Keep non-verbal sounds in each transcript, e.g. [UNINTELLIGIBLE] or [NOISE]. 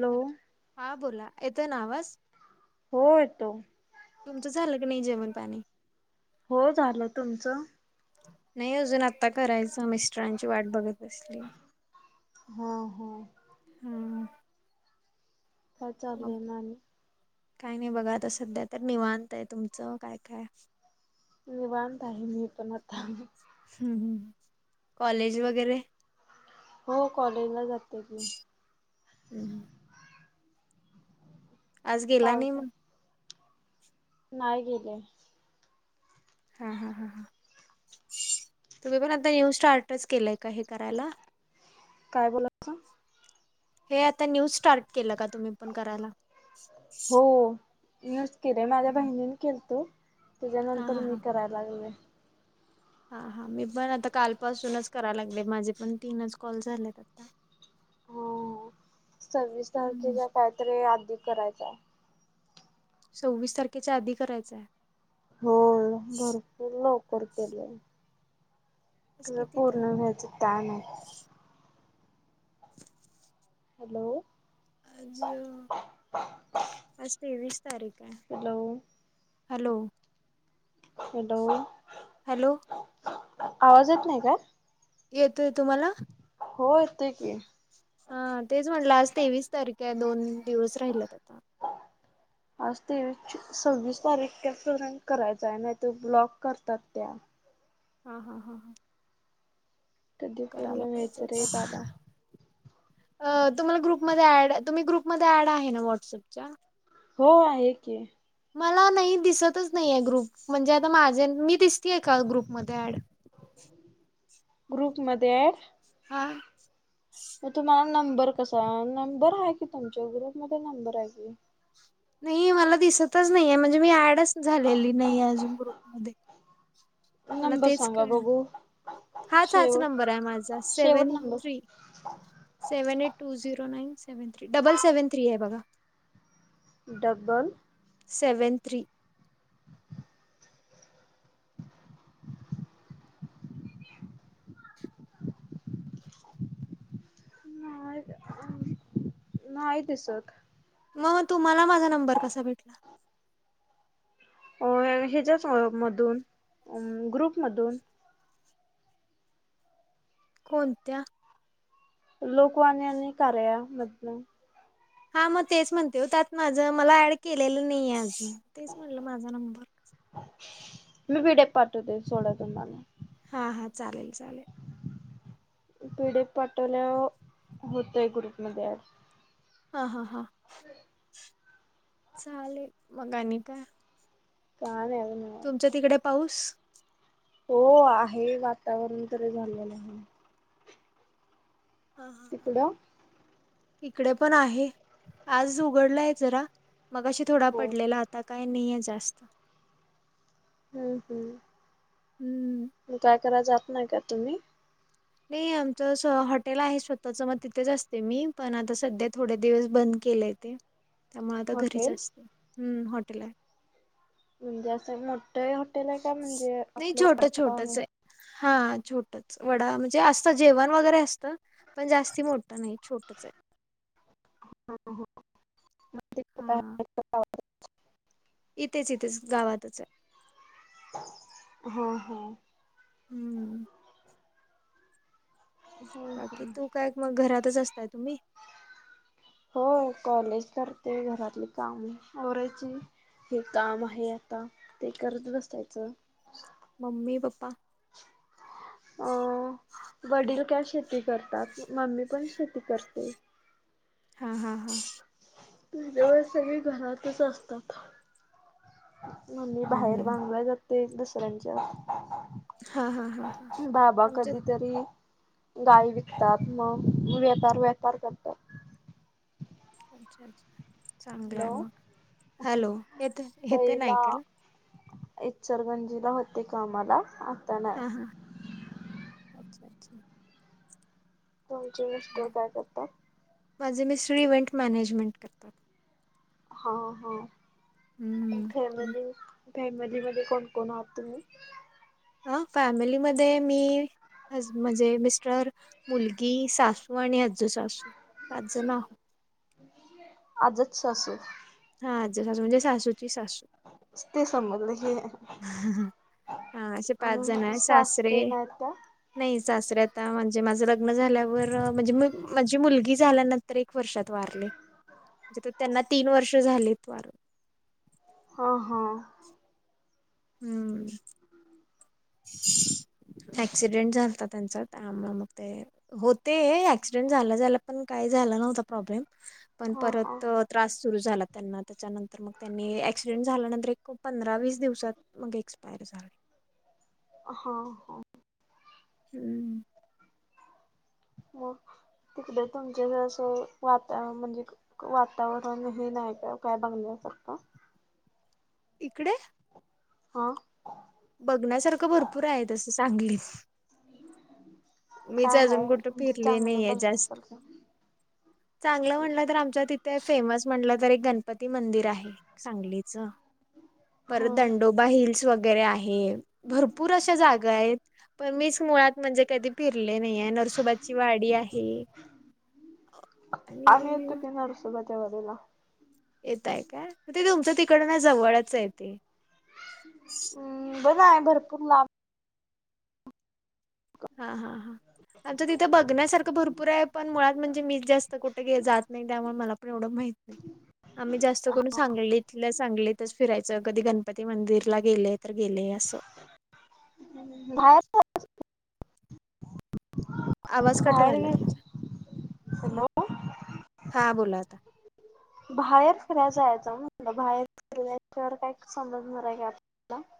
Low. हा बोला येतोय ना आवाज? हो येतो. तुमचं झालं क नाही जेवण पाणी? हो झालं तुमचं? नाही अजून आत्ता करायचं मिस्टरांची वाट बघत बसली. हा हा. हम. काय चालाय मगं आणि? काय नाही बघा आता सध्या तर निवांत आहे तुमचं काय काय? निवांत आहे मी पण आता हम्म कॉलेज वगैरे? हो कॉलेजला जात. त्या हम्. आज गेला नाही पावसा मग? नाही गेले. हा हा हा तुम्ही पण आता न्यू स्टार्टच केलंय का हे करायला? काय बोलायचं तू? हे आता न्यूज स्टार्ट केलं का तुम्ही पण करायला? हो तिनच केलंय माझ्या हम्म. बहिणीन केलत हा हा त्याच्यानंतर मी हा करायला लागले. हा हा मी पण आता कालपासूनच करायला लागले माझे पण तीनच कॉल झालेत आता. हो [INAUDIBLE] सव्वीस हम्म. तारखेचा काहीतरी अधिक करायचं आहे. सव्वीस तारखेच्या आधी करायचं. हो भरपूर लवकर केले. आज कधी किती तारीख? पूर्ण व्हायचं माहित हॅलो आज आज तेवीस तारीख आहे. हॅलो हॅलो हॅलो हॅलो आवाज येत नाही का? येतोय तुम्हाला? हो येतं की हा तेच म्हटलं आज तेवीस तारखे दोन दिवस राहिले आता. आज ते सव्वीस तारीख कॅरेंट करायचं आहे नाही ते ब्लॉक करतात त्या हम्म हम्म हम्म कधी करायला पूर्ण व्हायचं पाहिजे रे तर. बाबा तुम्हाला ग्रुपमध्ये ऍड तुम्ही ग्रुपमध्ये ऍड आहे ना व्हॉट्सअपच्या हो एक आहे. मला नाही दिसतच नाही आहे ग्रुप म्हणजे आता माझे मी दिसते एका ग्रुपमध्ये ऍड. ग्रुप मध्ये आहे. हा मग तुम्हाला नंबर कसा नंबर आहे कि तुमच्या ग्रुप मध्ये नंबर आहे कि नाही मला दिसतच नाहीये म्हणजे मी ऍडच झालेली नाही अजून ग्रुपमध्ये मला नंबर तेच सांगा कळ बघू हाच हाच शेवट नंबर आहे माझा शेवट seven three. Number seven eight two zero nine seven three double seven three आहे बघा. डबल सेवन थ्री नाही नाही दिसत. मग मग तुम्हाला माझा नंबर कसा भेटला. अ ह्याच्याच मधून ग्रुपमधून. कोणत्या? लोकवान नाही क्या बदल हा मग तेच म्हणते त्यात माझं मला ऍड केलेलं नाही आहे अजून तेच म्हटलं माझा नंबर मी विडे पाठवते सोड तुम्हाला हा हा चालेल चालेल पिढ पाठवल्या होतय ग्रुप मध्ये आज हा हा हा चाले मगा नाही का सध तुमच्या तिकडे पाऊस हो आहे वातावरण तरी झालेलं आहे. ह हा. तिकड इिकडे पण आहे आज उघडलाय जरा मग अशी थोडा हो पडलेला आता काय नाहीय जास्त हम्म हम्म काय कराय जात नाही का तुम्ही नाही आमचं हॉटेल आहे स्वतःच मग तिथेच असते मी पण आता सध्या थोडे दिवस बंद केलंय ते त्यामुळे आता घरीच हॉटेल असते हम्म हॉटेल आहे म्हणजे असं मोठं हॉटेल आहे का म्हणजे नाही छोटं आपलं छोटंच आहे हा छोटच वडा म्हणजे असत जेवण वगैरे असतं पण जास्ती मोठं नाही छोटंच आहे हा [INAUDIBLE] इथेच इथेच गावातच आहे हम हम हम्म हम्म बाकी हम्म तू काय मग घरातच असताय तुम्ही हो कॉलेज करते घरातली काम वरायची हे काम आहे आता ते करत असायचं मममी पपा अ वडील का्या शेती करतात मम्मी पण शेती करते हा हा हा तुव सगळे घरातच असतात म मी हम्म बाहेर हम्म बांधला जाते दुसऱ्यांच्या हा हा हा हा बाबा आमच्या कधीतरी गाय विकतात मग वेपार वपार करतात अच्छा अच्छ चांगलं आहे हॅलो मग हॅलो येत येते तईला नाहीकल इचरगंजीला होते का आम्हाला हां हां अच्छा अच्छा तुमची नस् काय अच्छा. करतात माझे मिसळी इव्हेंट मॅनेजमेंट करतात हा हा हम्म फॅमिली फॅमिलीमध्येध्ये कोण कोण आहात तुम्ही हा फॅमिलीमध्ये मी ज म्हणजे मिस्टर मुलगी सासू आणि आजजू सासू आजज नाव आजच स असू हा, आजी सासू म्हणजे सासूची सासू ते [UNINTELLIGIBLE] हे. हा, असे पाच जण आणि आहे, सासरे सासरीन आहेत त्या नाही सासरे आता, म्हणजे माझं लग्न झाल्यावर म्हणजे, म्हणजी मुलगी झाल्या न तर एक वर्षात वारले, म्हणजे त्यांना तीन वर्ष झालेत वारून. हां हां. हम्म! अक्सिडेंट झालता त्यांचा त्यामुळे मग ते होते, ऍक्सिडेंट झाल्या झाल्या पण काही झालं नव्हत प्रॉब्लेम, पण हा हा परत त्रास सुरू झाला त्यांना, त्याच्यानंतर मग त्यांनी ऍक्सिडेंट झाल्यानंतर एक पंधरा वीस दिवस मग एक्सपायर झाले. हा हा. हम. मग तिकडे तुमचकडे अस वातावरण म्हणजे वातावरण हे नाही कायं काय बघण्यासारख इकडे? हा बघण्यासारखं भरपूर आहे तस सांगलीत. मीच काय अजून आहे कुठं म्हणजे फिरले चांगलं नाही जास्त. बघण्यासारखं चांगलं म्हटलं तर, आमच्या तिथे फेमस म्हटलं तरी एक गणपती मंदिर आहे. सांगलीचं, परत हा दंडो हिल्स वगैरे आहे, भरपूर अशा जागा आहेत, पण मीच मुळात कधी फिरले नाही हाय, नरसोबाचीवाडी आहे. नरसोबाची [UNINTELLIGIBLE] येताय काय, मग तुमच्या तिकडन जवळच आहे ते हम्म! बघ आहे भरपूर लांब हां हां हां. आमच्या तिथे बघण्यासारखं भरपूर आहे, पण मुळात म्हणजे मीच जास्त कुठेे जात नाही, त्यामुळे मला पण एवढं माहत नाही. आम्ही जास्त करून सांगलीत सांगलीतच फिरायचं कधी, गणपती मंदिरला गेले तर गेले असं बाहेर आवाज कट बाहेर व्हायलायं तुमचा, हॅलो हां बोला आता. बाहेर फिराय जायचं म्हटलं, बाहेर फिरल्याशिवाय कायं समजणार आहे कायं [UNINTELLIGIBLE]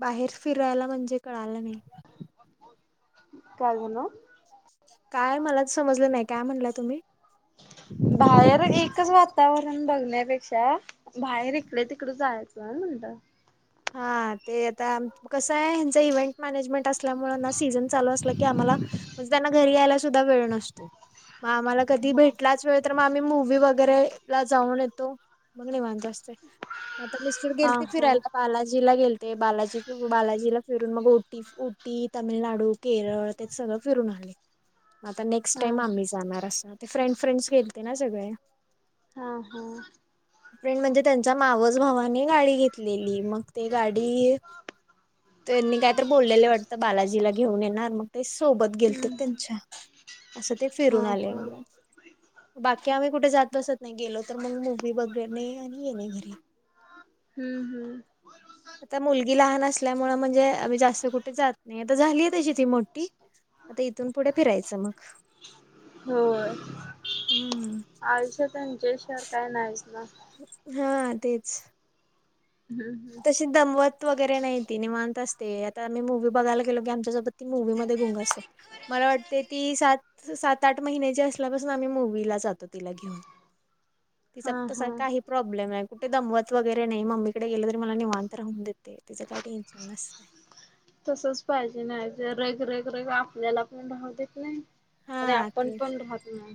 बाहेर फिरायला म्हणजे कळालं नाही. काय झालं? काय मलाच समजलं नाही, काय म्हटलां तुम्ही? बाहेर एकचवातावरण बघण्यापेक्षा बाहेर इकडेतिकडे जायचं आहे म्हणलं. हां, ते आता कसायं हेंच मॅनेजमेंटअसल्यामुळे ना सीझन चालूअसलं की आम्हाला त्यांना घरीयायला सुद्धा वेळ नसतो, मग आम्हाला कधी भेटलाच आम्ही मूवी वगैरे ला जाऊन येतो मग निवांत म आता मिस्टर हा गेलते हा फिरायला. बालाजीला गेलते, बालाजीतून बालाजीला फिरून मग उटी, उटी तंमिळनाडू केरळ, ते सगळं फिरून आले. मगआता नेक्स्ट हा टाइम आम्ही जाणार अस, ते फ्रेंड- फ्रेंड्स गेलतेना सगळे. हां हं. फ्रेंड म्हणजे त्यांच्या मावस भावाने गाडी घेतलेली, मग ति गाडी [INAUDIBLE] त्यांनी कायतर बोललेले वाटतं, बालाजीला घेऊन येणार मग ते सोबत गेलतेत हम्म त्यांच्या. असं ते हा फिरून आले हा म्. बाकी आम्ही कुठे जात बसत नाही, गेलो तर मग मुव्ही बघणे आणि येणे घरी. ह्म ह्म. आता मुलगी लहान असल्यामुळ, म्हणजे आम्ही जास्त कुठं जातं नाही, आता झालीय ति तशी मोठी. आता इथून पुढे फिरायचं मग, ह्म. आईचे त्यांचे शेर काय नाहीच ना. हां तेच. ह्म ह्म. तशी दमवत वगैरे नाही ती निवांत असते, आता आम्ही मुव्ही बघायला गेलो की आमच्यासोबत ती मूवी मध्ये गुंग असते. मला वाटते, ती सात-सात आठ महिन्याची असल्यापासुन आम्ही मुवीला जातो, तिला घेऊन. तिचा हा तसा हा काही प्रॉब्लेम नाई, कुठे दमवत वगैरे नही मम्मीकडे गेलं त मला निवांत राहून देते, तिचं काही टेन्शन नसत. तसच पाहिजे, नाही ज रग रग रग आपल्याला पण राहू देत नही. आणि आपण पण राहत नाई.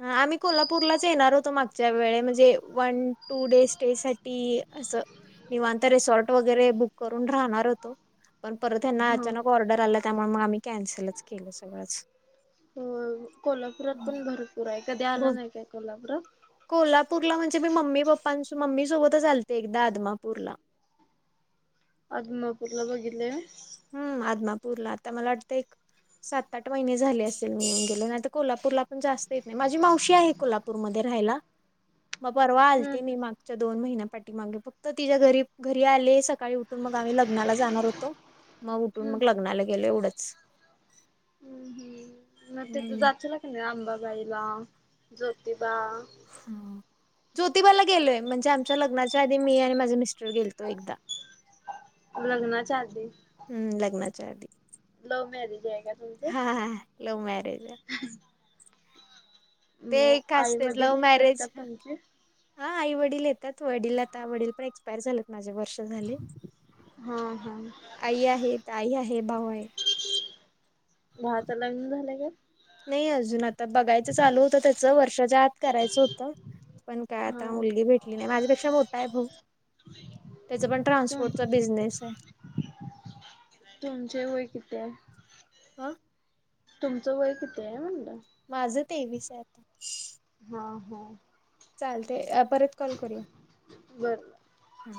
हं. आम्ही कोल्हापूरलाच येणार होतो, मागच्या वेळे म्हणजे वन टू डे स्टे साठी, असं निवांत रिसॉर्ट वगैरे बुक करून, राहणार होतो. पण परत ह्यांना हा अचानक ऑर्डर आल्या, त्यामुळे मग आम्ही कॅन्सलच केलं सगळंच. हो कोल्हापुरात हम्म. पण भरपूर आहे, कधी आला बोल नाही काय कोल्हापूरात? कोल्हापूरला, म्हणजे मी मम्मी पप्पां श, मम्मी सोबतच आलते, एकदा आदमापूरला. अदमापूरला बघितले वय? हम्म, आदमापूरला आता मला वाटतं एक सात आठ महिने झाले असेल मि येऊन गेले, नाही त कोल्हापूरला पण जास्त येत नाही, माझी मावशी आहे कोल्हापूरमध्ये राहायला. म परवा हम्म आलते, मी हम्म माग च्या, दोन महिन्या पाठी मागे फक्त तिच्या घरी-घरी आले, सकाळी उठून मग आम्ही लग्नाला जाणार होतो. म उठुन हम्म मग लग्नाला गेलो एवढंच. न तिथ हम्म जाचला का नाही आंबाबाईला, ज्योतिबा? ह्म [UNINTELLIGIBLE] ज्योतिबाला गेलोय, म्हणजे आमच्या लग्नाच्या आधी मी आणि माझे मिस्टर गेलतो एकदा. [UNINTELLIGIBLE] [INAUDIBLE] लग्नाच्या आधी? हम्म लग्नाच्या आधी. लव मॅरेज आहे का हा तुमच? हा लव्ह मॅरेज आहे ते एक आई असतेच, वडील लव्ह येतात मॅरेज का तुमचे? हां आई वडील येतात, वडील आता वडील पण एक्सपायर झालेत, माझे वर्ष झाले. हां हं आई आहेत, आई आहे, भाऊ आहे भावाच लग्न झालंय का? नाही अजून आता बघायचं चालू होतं त्याचं वर्षाच्या आत करायचं होतं पण काय हा आता मुलगी भेटली नाही माझ्यापेक्षा मोठा आहे भाऊ त्याच पण तुम ट्रान्सपोर्टचा चा बिजनेस आहे. तुमचे वय किती आहे अं तुमचं वय किती आहे म्हणलं माझं तेवीस आहे. हा हा चाल ते परत कॉल करूया. बर हा